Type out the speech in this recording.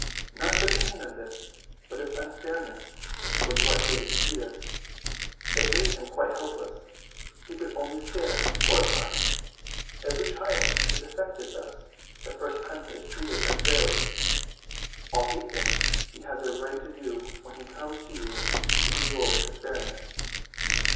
Not the pain of this but its unfairness was what dazed Peter. It made him quite helpless. He could only stare, horrified. Every child is affected thus the first time he is treated unfairly. All he thinks he has a right to when he comes to you to be yours is fairness.